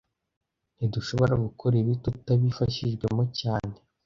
Ntidushobora gukora ibi tutabifashijwemo cyane